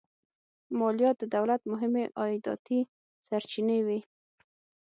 مالیات د دولت مهمې عایداتي سرچینې وې.